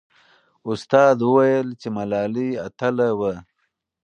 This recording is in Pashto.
استاد وویل چې ملالۍ اتله وه.